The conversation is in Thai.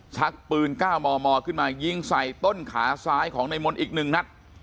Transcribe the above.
ชักปืนก้าวมอขึ้นมายิงใส่ต้นขาซ้ายของนายมนตร์อีกหนึ่งนัด